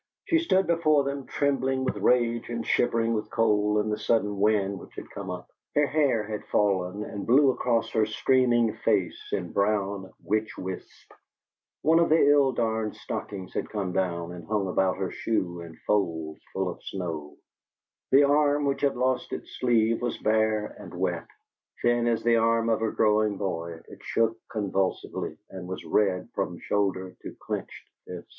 She stood before them, trembling with rage and shivering with cold in the sudden wind which had come up. Her hair had fallen and blew across her streaming face in brown witch wisps; one of the ill darned stockings had come down and hung about her shoe in folds full of snow; the arm which had lost its sleeve was bare and wet; thin as the arm of a growing boy, it shook convulsively, and was red from shoulder to clinched fist.